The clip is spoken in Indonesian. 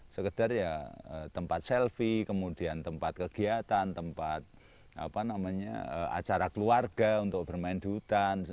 sekedar ya tempat selfie kemudian tempat kegiatan tempat acara keluarga untuk bermain di hutan